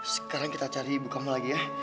sekarang kita cari ibu kamu lagi ya